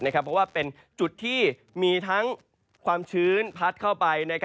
เพราะว่าเป็นจุดที่มีทั้งความชื้นพัดเข้าไป